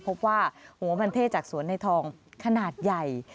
พบว่าหัวมันเท่จากสวนในทองขนาดใหญ่